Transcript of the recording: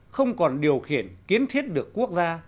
không còn điều khiển kiến thiết được quốc gia